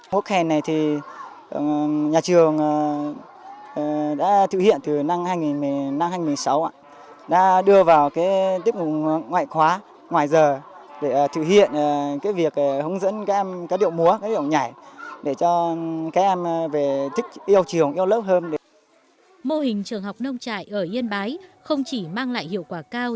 mô hình trường học nông trại ở yên bái không chỉ mang lại hiệu quả cao